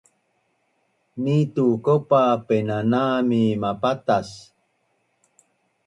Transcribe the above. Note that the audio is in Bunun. ni tu kaupa painanam mi mapatac